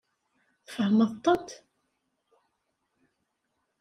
Tfehmeḍ-tent?